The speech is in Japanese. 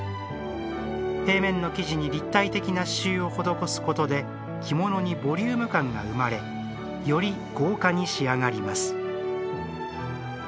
平面の生地に立体的な刺繍を施すことで着物にボリューム感が生まれより豪華に仕上がります。